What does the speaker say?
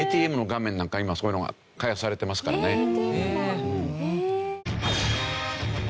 ＡＴＭの画面なんか今そういうのが開発されてますからね。